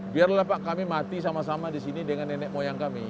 biarlah pak kami mati sama sama di sini dengan nenek moyang kami